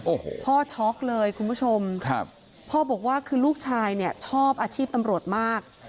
โอ้โฮคุณผู้ชมพ่อบอกว่าคือลูกชายชอบอาชีพตำรวจมาก